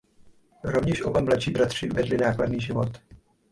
Rovněž oba mladší bratři vedli nákladný život.